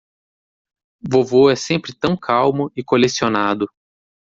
Vovô é sempre tão calmo e colecionado.